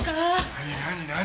何何何？